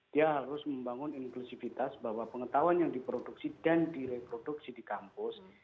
dia harus membangun inklusivitas bahwa pengetahuan yang diproduksi dan direproduksi di kampus